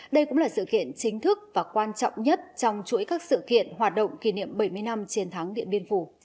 đây cũng là sự kiện chính thức và quan trọng nhất trong chuỗi các sự kiện hoạt động kỷ niệm bảy mươi năm chiến thắng điện biên phủ